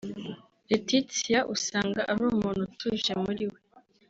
Laetitia usanga ari umuntu utuje muri we